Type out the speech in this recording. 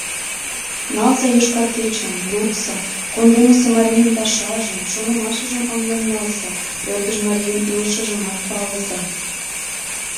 Налза «Йошкар кечым», лудса, кундемысе марийын пашажым, шонымашыжым ыҥлен налза, ӧрдыж марийын илышыжымат палыза.